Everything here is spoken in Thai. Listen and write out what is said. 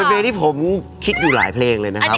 เป็นเพลงที่ผมคิดอยู่หลายเพลงเลยนะครับ